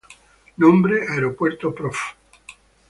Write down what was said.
Nombre: Aeropuerto Prof.